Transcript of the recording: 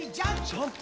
ジャンプ。